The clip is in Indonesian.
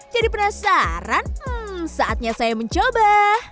jadi penasaran hmm saatnya saya mencoba